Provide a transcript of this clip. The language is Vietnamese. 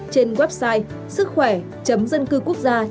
trên website sứckhoẻ dâncưquốcgia gov vn